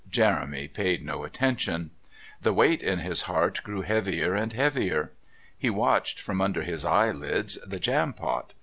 Jeremy paid no attention. The weight in his heart grew heavier and heavier. He watched, from under his eyelids, the Jampot.